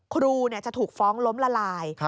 ครูจะถูกฟ้องล้มละลาย